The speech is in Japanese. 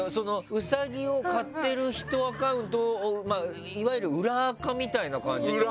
ウサギを飼ってる人アカウントをいわゆる裏アカみたいな感じってこと？